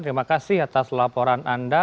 terima kasih atas laporan anda